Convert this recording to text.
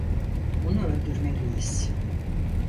Onu öldürmeliyiz.